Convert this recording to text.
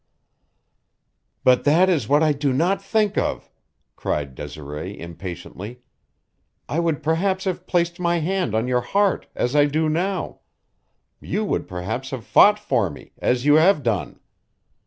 "But that is what I do not think of!" cried Desiree impatiently. "I would perhaps have placed my hand on your heart, as I do now; you would perhaps have fought for me, as you have done.